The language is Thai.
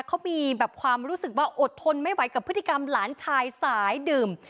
เขามีแบบความรู้สึกว่าอดทนไม่ไหวกับพฤติกรรมหลานชายสายดื่ม